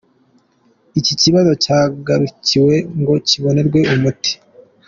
Iki kibazo cyahagurukiwe ngo kibonerwe umuti.